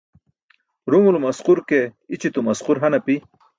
Ruṅulum asqur ke i̇ćitum asqur han api.